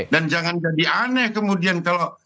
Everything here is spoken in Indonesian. dan jangan jadi aneh kemudian kalau